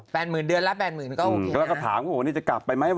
๘๐๐๐๐เดือนละ๘๐๐๐๐ก็โอเคนะพี่ดุมส้อคือถามว่าวันนี้จะกลับไปไหม